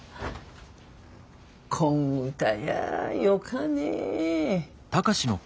こん歌やよかね。